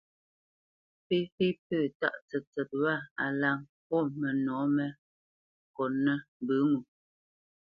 Féfé pə̂ tǎʼ tsətsət wâ a la ŋkôt mənɔ̌ mé kotnə́ mbə ŋo.